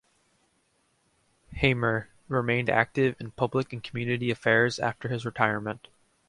Hamer remained active in public and community affairs after his retirement.